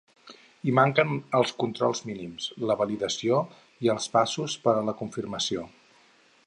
Hi manquen els controls mínims, la validació i els passos per a la confirmació.